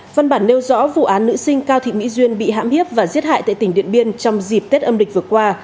văn bản nêu rõ vụ án nữ sinh cao thị mỹ duyên bị hãm hiếp và giết hại tại tỉnh điện biên trong dịp tết âm lịch vừa qua